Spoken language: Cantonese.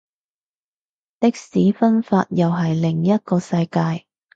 的士分法又係另一個世界